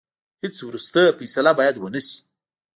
هیڅ وروستۍ فیصله باید ونه سي.